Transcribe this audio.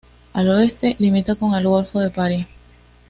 Al oeste limita con el Golfo de Paria.